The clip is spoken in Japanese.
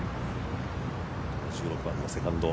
１６番セカンド。